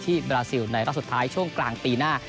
บราซิลในรอบสุดท้ายช่วงกลางปีหน้า